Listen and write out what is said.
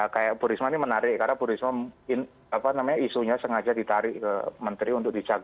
kayak bu risma ini menarik karena bu risma isunya sengaja ditarik ke menteri untuk dicabut